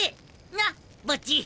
なっボッジ！